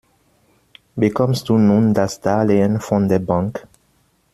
Bekommst du nun das Darlehen von der Bank?